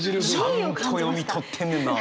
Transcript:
ちゃんと読み取ってんねんな！